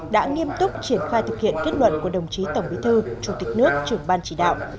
đã nghiêm túc triển khai thực hiện kết luận của đồng chí tổng bí thư chủ tịch nước trưởng ban chỉ đạo